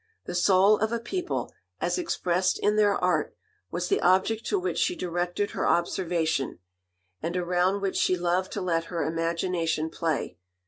The soul of a people, as expressed in their art, was the object to which she directed her observation, and around which she loved to let her imagination play.